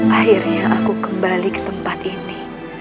akhirnya aku kembali ke tempat ini